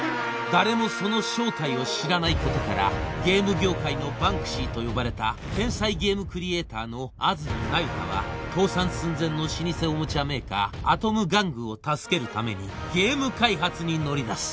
誰もその正体を知らないことからゲーム業界のバンクシーと呼ばれた天才ゲームクリエイターの安積那由他は倒産寸前の老舗おもちゃメーカーアトム玩具を助けるためにゲーム開発に乗り出す